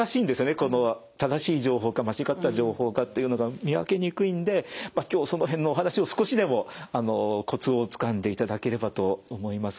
この正しい情報か間違った情報かっていうのが見分けにくいんで今日その辺のお話を少しでもコツをつかんでいただければと思います。